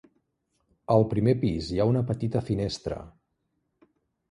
Al primer pis hi ha una petita finestra.